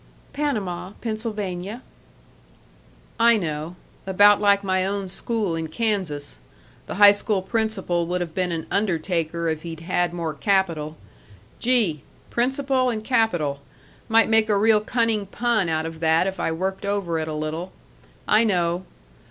"Panama, Pennsylvania." "I know. About like my own school in Kansas the high school principal would have been an undertaker if he'd had more capital.... Gee! principal and capital might make a real cunning pun out of that if I worked over it a little. I know....